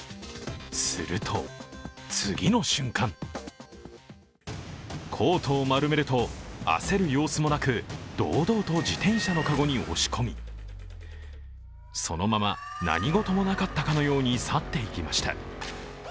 すると、次の瞬間コートを丸めると、焦る様子もなく堂々と自転車の籠に押し込みそのまま何事もなかったかのように去っていきました。